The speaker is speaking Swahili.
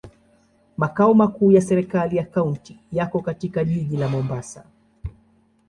Makao makuu ya serikali ya kaunti yako katika jiji la Mombasa.